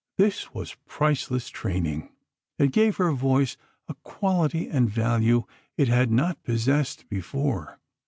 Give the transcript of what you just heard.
This was priceless training. It gave her voice a quality and value it had not possessed before.